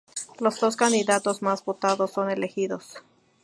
Los dos candidatos más votados son elegidos.